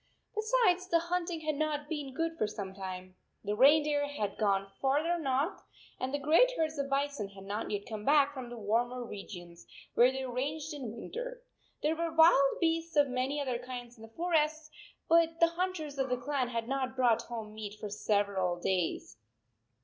Besides, the hunting had not been good for some time. The reindeer had gone far ther north, and the great herds of bison had not yet come back from the warmer re gions, where they ranged in winter. There were wild beasts of many other kinds in the forest, but the hunters of the clan had not brought home meat for several days.